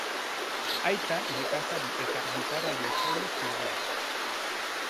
Aita nekazari eta gitarra-jotzaile zuen.